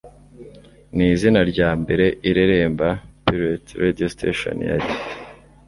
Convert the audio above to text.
Ni izina rya mbere ireremba Pirate Radio Station yari